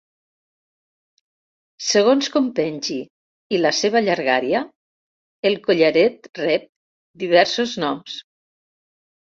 Segons com pengi i la seva llargària, el collaret rep diversos noms.